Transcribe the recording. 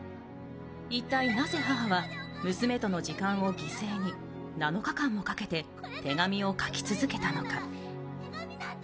一体、なぜ母は娘との時間を犠牲に７日間もかけて手紙を書き続けたのか？